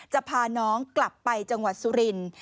จะพาน้องกลับไปจังหวัดสุรินทร์